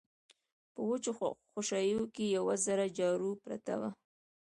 په وچو خوشايو کې يوه زړه جارو پرته وه.